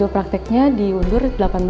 prakteknya diundur delapan belas